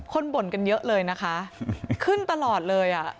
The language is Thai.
บ่นกันเยอะเลยนะคะขึ้นตลอดเลยอ่ะ